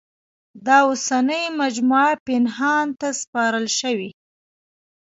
دا اوسنۍ مجموعه پنهان ته سپارل شوې.